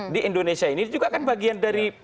di indonesia ini juga kan bagian dari